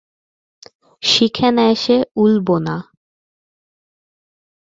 শিখে নেয় সে উল বোনা।